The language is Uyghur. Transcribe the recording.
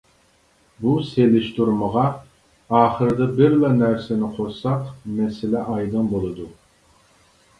بۇ سېلىشتۇرمىغا ئاخىرىدا بىرلا نەرسىنى قوشساق مەسىلە ئايدىڭ بولىدۇ.